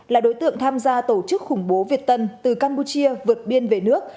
là đối tượng tham gia tổ chức khủng bố việt tân từ campuchia vượt biên về nước